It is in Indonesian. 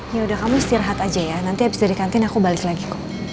ya udah kamu istirahat aja ya nanti abis dari kantin aku balik lagi kok